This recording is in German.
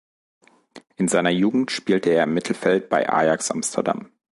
In seiner Jugend spielte er im Mittelfeld bei Ajax Amsterdam.